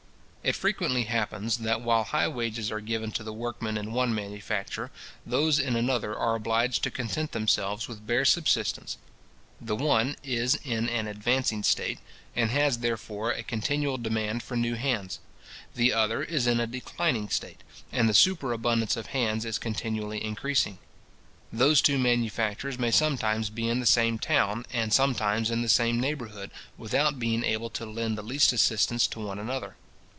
It frequently happens, that while high wages are given to the workmen in one manufacture, those in another are obliged to content themselves with bare subsistence. The one is in an advancing state, and has therefore a continual demand for new hands; the other is in a declining state, and the superabundance of hands is continually increasing. Those two manufactures may sometimes be in the same town, and sometimes in the same neighbourhood, without being able to lend the least assistance to one another.